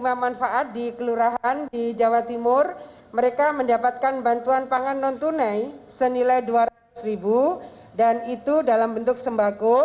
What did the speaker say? sebagian dari raya raya raya pemprov jatim juga menyiapkan stimulus bantuan keuangan bagi tingkat kelurahan berupa uang tunai